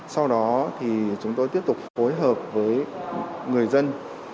sau đó thì chúng tôi tiếp tục phối hợp với người dân